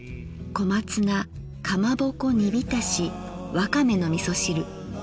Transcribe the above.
小松菜かまぼこ煮浸しわかめのみそ汁。